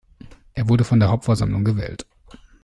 Er wurde von der Hauptversammlung gewählt.